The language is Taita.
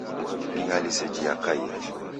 Ni hali seji yakaiya